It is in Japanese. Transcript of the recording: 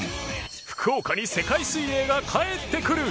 福岡に世界水泳が帰ってくる！